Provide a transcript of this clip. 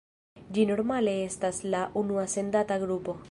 Ĝi normale estas la unua sendata grupo.